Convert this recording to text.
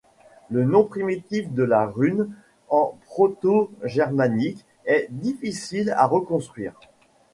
Le nom primitif de la rune en proto-germanique est difficile à reconstruire.